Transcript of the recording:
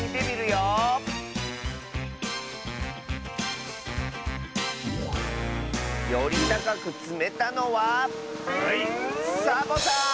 よりたかくつめたのはサボさん！